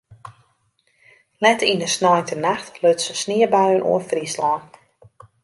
Let yn de sneintenacht lutsen sniebuien oer Fryslân.